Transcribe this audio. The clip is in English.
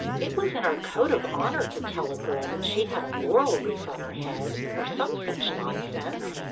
It was in our code of honor to tell a girl that she had a laurel wreath on her head or some such nonsense.